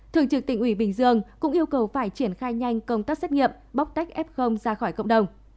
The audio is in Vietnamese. thường trực tỉnh ủy bình dương cũng yêu cầu phải triển khai nhanh công tác xét nghiệm bóc tách f ra khỏi cộng đồng